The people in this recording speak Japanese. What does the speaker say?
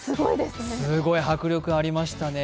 すごい迫力ありましたね。